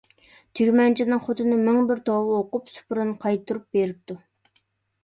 تۈگمەنچىنىڭ خوتۇنى مىڭ بىر توۋا ئوقۇپ، سۇپرىنى قايتۇرۇپ بېرىپتۇ.